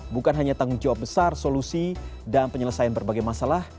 bukan hanya tanggung jawab besar solusi dan penyelesaian berbagai masalah